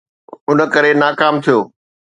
ان ڪري ناڪام ٿيو.